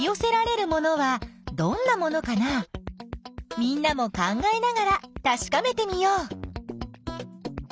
みんなも考えながらたしかめてみよう。